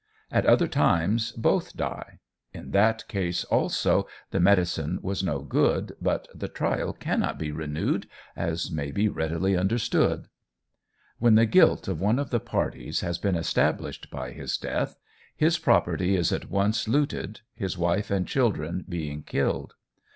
At other times both die; in that case also the medicine was no good, but the trial cannot be renewed, as may be readily understood. When the guilt of one of the parties has been established by his death, his property is at once looted, his wife and children being killed.